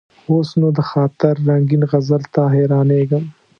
اوس نو: د خاطر رنګین غزل ته حیرانېږم.